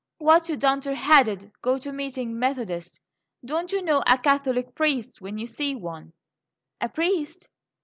"Why, you dunder headed, go to meeting Methodist! Don't you know a Catholic priest when you see one?" "A priest?